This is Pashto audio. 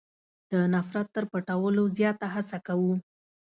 د نفرت تر پټولو زیاته هڅه کوو.